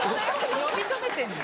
呼び止めてんの？